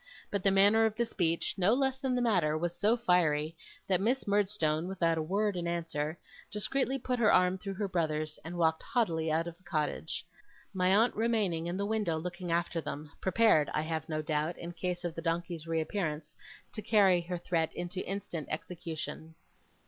But the manner of the speech, no less than the matter, was so fiery, that Miss Murdstone, without a word in answer, discreetly put her arm through her brother's, and walked haughtily out of the cottage; my aunt remaining in the window looking after them; prepared, I have no doubt, in case of the donkey's reappearance, to carry her threat into instant execution.